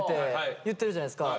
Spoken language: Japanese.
言ってるじゃないですか。